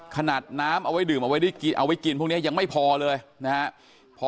ขนาดน้ำเอาไว้ดื่มเอาไว้กินพวกนี้ยังไม่พอเลยนะครับ